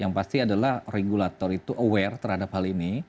yang pasti adalah regulator itu aware terhadap hal ini